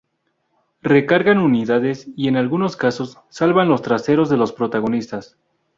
Recargan unidades y en algunos casos, salvan los traseros de los protagonistas.